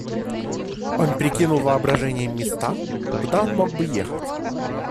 Он прикинул воображением места, куда он мог бы ехать.